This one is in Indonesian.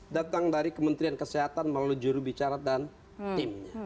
datang dari kementerian kesehatan melalui jurubicara dan timnya